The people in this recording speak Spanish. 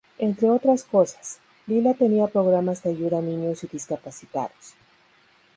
Entre otras cosas, Lila tenía programas de ayuda a niños y discapacitados.